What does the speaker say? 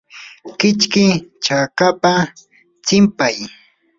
kichki chakapa tsinpay.